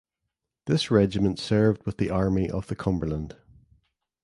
This regiment served with the Army of the Cumberland.